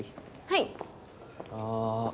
はい。